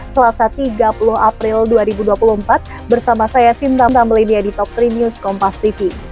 selasa tiga puluh april dua ribu dua puluh empat bersama saya sintama melinia di top tiga news kompas tv